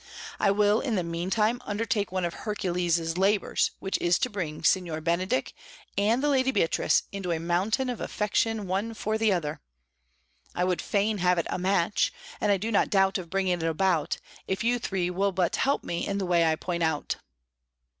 "I will in the meanwhile undertake one of Hercules' labours, which is to bring Signor Benedick and the Lady Beatrice into a mountain of affection one for the other. I would fain have it a match, and I do not doubt of bringing it about, if you three will but help me in the way I point out."